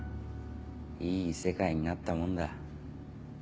いい世界になったもんだ。